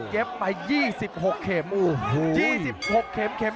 เก็บไป๒๖เข็ม